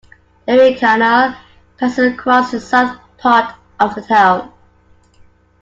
The Erie Canal passes across the south part of the town.